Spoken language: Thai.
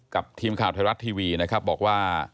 กับทีมข่าวไทยรัฐทีวีนะครับบอกว่า